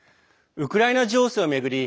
ウクライナ情勢を巡り